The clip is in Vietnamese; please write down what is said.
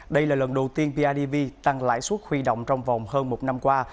đây là lần đầu tiên bidv tăng lãi suất huy động trong vòng hơn một năm qua